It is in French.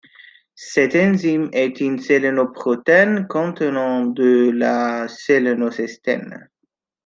Cette enzyme est une sélénoprotéine, contenant de la sélénocystéine.